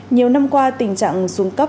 nhiều năm qua tình trạng xuống cấp